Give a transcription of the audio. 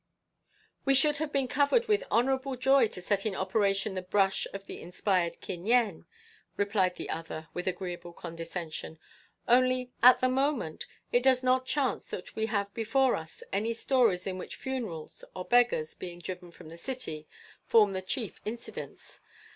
"We should have been covered with honourable joy to set in operation the brush of the inspired Kin Yen," replied the other with agreeable condescension; "only at the moment, it does not chance that we have before us any stories in which funerals, or beggars being driven from the city, form the chief incidents.